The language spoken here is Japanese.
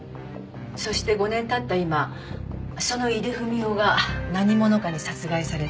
そして５年経った今その井出文雄が何者かに殺害された。